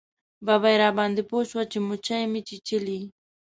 ببۍ راباندې پوه شوه چې موچۍ مې چیچلی.